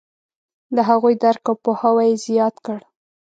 د هغوی درک او پوهاوی یې زیات کړ.